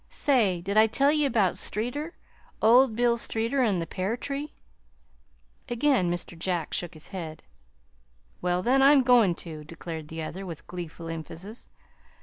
"Say, did I tell ye about Streeter Old Bill Streeter an' the pear tree?" Again Mr. Jack shook his head. "Well, then, I'm goin' to," declared the other, with gleeful emphasis.